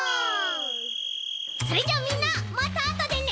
それじゃみんなまたあとでね。